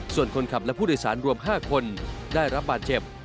ส่วนคนขับและผู้โดยสารรวม๕คนได้รับบาดเจ็บ